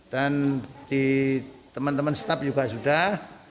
dan teman teman staff juga sudah